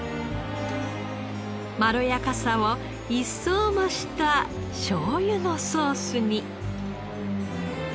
まろやかさを一層増したしょうゆのソースに。